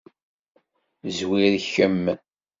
Zwir kemm.